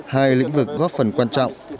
hai lĩnh vực góp phần quan trọng